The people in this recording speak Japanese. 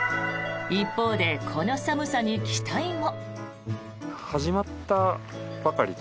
一方でこの寒さに期待も。